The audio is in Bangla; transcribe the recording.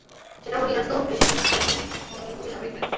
সেটা হলো, ইরান শুধু বেসামরিক পারমাণবিক সক্ষমতা অর্জন করবে, সামরিক নয়।